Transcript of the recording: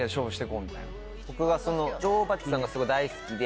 僕が女王蜂さんがすごい大好きで。